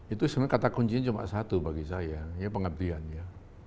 itu sebenarnya kata kuncinya cuma satu bagi saya yaitu pengabdian ya